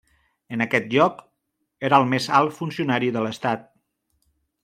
En aquest lloc, era el més alt funcionari de l'Estat.